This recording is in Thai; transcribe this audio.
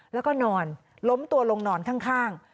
แล้วก็นอนล้มตัวลงนอนข้าง